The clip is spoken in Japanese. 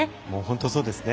本当にそうですね。